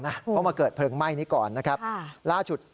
เพราะคุณมาเกิดเพลิงไหม้นี้ก่อนนะครับ